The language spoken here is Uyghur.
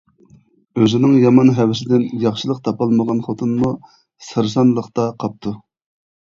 ئۆزىنىڭ يامان ھەۋىسىدىن ياخشىلىق تاپالمىغان خوتۇنمۇ سەرسانلىقتا قاپتۇ.